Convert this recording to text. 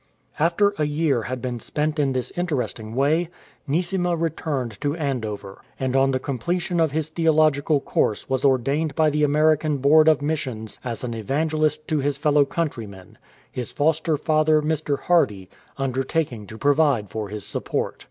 After a year had been spent in this interesting way, 57 NEESIMA'S EDUCATIONAL DREAMS Neesima returned to Andover, and on the completion oi his theological course was ordained by the American Board of Missions as an evangelist to his fellow country men, his foster father, Mr. Hardy, undertaking to provide for his support.